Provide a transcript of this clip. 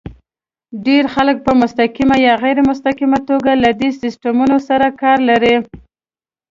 ډېر خلک په مستقیمه یا غیر مستقیمه توګه له دې سیسټمونو سره کار لري.